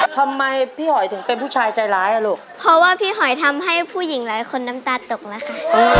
ทำไมพี่หอยถึงเป็นผู้ชายใจร้ายอ่ะลูกเพราะว่าพี่หอยทำให้ผู้หญิงหลายคนน้ำตาตกแล้วค่ะ